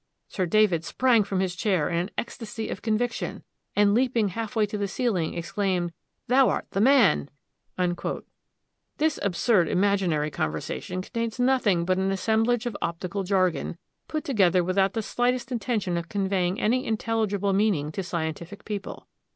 Sir David sprang from his chair in an ecstasy of conviction, and leaping half way to the ceiling, exclaimed, 'Thou art the man.' "This absurd imaginary conversation contains nothing but an assemblage of optical jargon, put together without the slightest intention of conveying any intelligible meaning to scientific people.